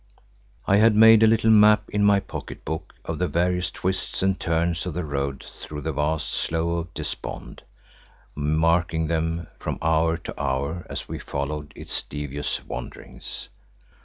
I had made a little map in my pocket book of the various twists and turns of the road through that vast Slough of Despond, marking them from hour to hour as we followed its devious wanderings.